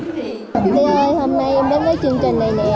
thúy ơi hôm nay em đến với chương trình này nè